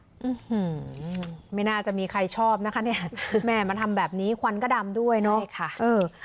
อืมไม่น่าจะมีใครชอบนะคะเนี่ยแม่มาทำแบบนี้ควันก็ดำด้วยเนอะใช่ค่ะเออ